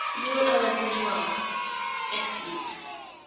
VEAL A LA BOURGEOISE. (Excellent.)